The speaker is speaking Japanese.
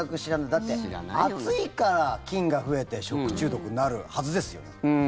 だって、暑いから菌が増えて食中毒なるはずですよ。